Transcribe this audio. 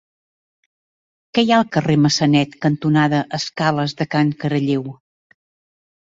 Què hi ha al carrer Massanet cantonada Escales de Can Caralleu?